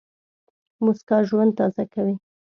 موسکا ژوند تازه کوي.